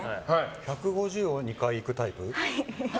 １５０を２回いくタイプ？